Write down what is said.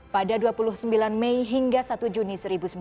pada dua puluh sembilan mei hingga satu juni seribu sembilan ratus empat puluh